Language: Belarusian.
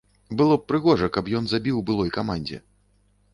Было б прыгожа, каб ён забіў былой камандзе.